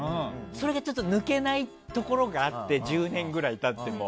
それが抜けないところがあって１０年ぐらい経っても。